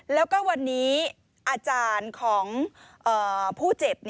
แล้วก็วันนี้อาจารย์ของผู้เจ็บ